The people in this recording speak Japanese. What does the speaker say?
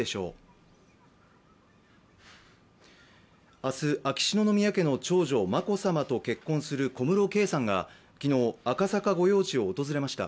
明日、秋篠宮家の長女、眞子さまと結婚する小室圭さんが昨日、赤坂御用地を訪れました。